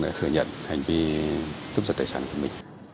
đã thừa nhận hành vi cướp giật tài sản của mình